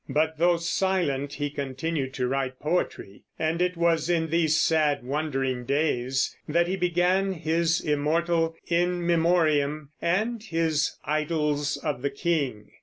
But though silent, he continued to write poetry, and it was in these sad wandering days that he began his immortal In Memoriam and his Idylls of the King.